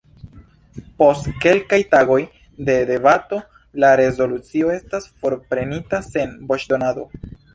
Post kelkaj tagoj de debato, la rezolucio estas forprenita sen voĉdonado.